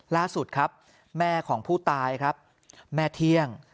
ล่าสุดครับแม่ของผู้ตายครับแม่เที่ยง